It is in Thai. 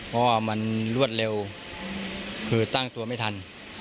เพราะว่ามันรวดเร็วคือตั้งตัวไม่ทัน